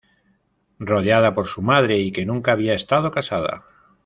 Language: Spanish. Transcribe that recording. Rodeada por su madre y que nunca había estado casada.